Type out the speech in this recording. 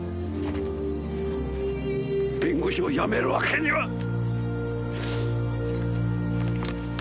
弁護士を辞めるわけには！